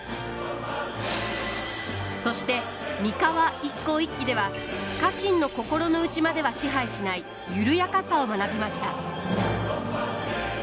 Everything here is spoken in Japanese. そして三河一向一揆では家臣の心の内までは支配しない緩やかさを学びました。